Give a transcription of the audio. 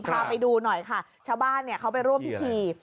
พาไปดูหน่อยค่ะชาวบ้านเขาไปร่วมพิธี